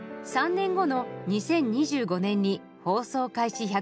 ３年後の２０２５年に放送開始